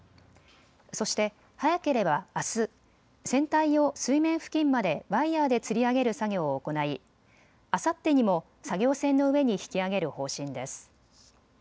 そして早ければあす、船体を水面付近までワイヤーでつり上げる作業を行いあさってにも作業船の上に引き揚げる方針です。